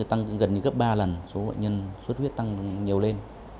tăng gần như gấp ba lần số bệnh nhân xuất huyết tăng nhiều lên